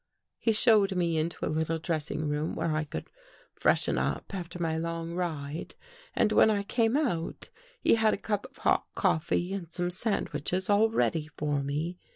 " He showed me into a little dressing room where I could freshen up after my long ride, and when I came out, he had a cup of hot coffee and some sand wiches all ready for me.